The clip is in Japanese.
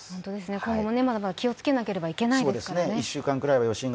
今後もまだまだ気をつけないといけないですからね。